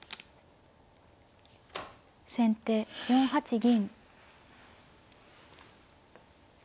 先手４八銀。